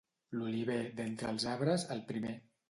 L'oliver, d'entre els arbres, el primer.